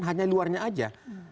hanya luarnya saja